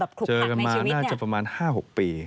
ถูกหักในชีวิตเนี่ยเจอกันมาน่าจะประมาณ๕๖ปี